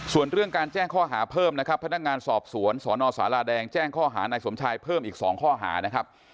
ส่วนเรื่องการแจ้งข้อหาเพิ่มนะครับพนักงานสอบสวนสนสาราแดงแจ้งข้อหานายสมชายเพิ่มอีก๒ข้อหานะครับ